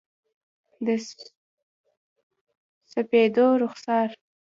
د سپېدو رخسار،